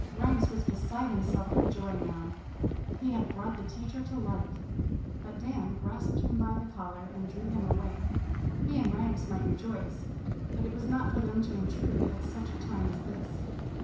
Rags was beside himself with joy now. He had brought the teacher to life. But Dan grasped him by the collar and drew him away. He and Rags might rejoice, but it was not for them to intrude at such a time as this.